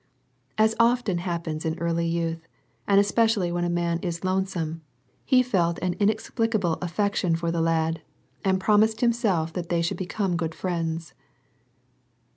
As often happens in early youth, and especially when a man is lonesome, he felt an inexplicable affection for the lad, and promised himself that they should become good friends.